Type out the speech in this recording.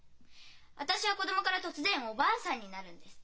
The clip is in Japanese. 私は子供から突然おばあさんになるんです。